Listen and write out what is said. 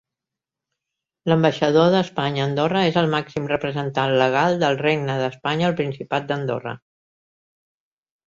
L'ambaixador d'Espanya a Andorra és el màxim representant legal del Regne d'Espanya al Principat d'Andorra.